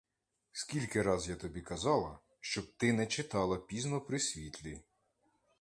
Скільки раз я тобі казала, щоб ти не читала пізно при світлі!